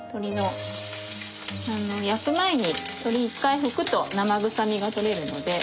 焼く前に鶏一回拭くと生臭みが取れるので。